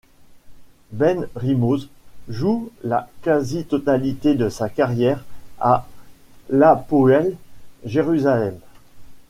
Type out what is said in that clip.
Ben Rimoz joue la quasi-totalité de sa carrière à l'Hapoël Jérusalem.